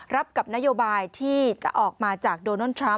รับกับนโยบายที่จะออกมาจากโดนัลด์ทรัมป